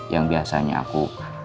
yang biasanya aku